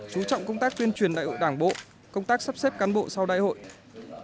chú trọng công tác tuyên truyền đại hội đảng bộ công tác sắp xếp cán bộ sau đại hội